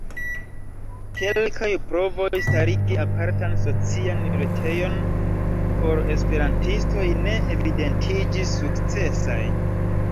Kelkaj provoj starigi apartan socian retejon por esperantistoj ne evidentiĝis sukcesaj.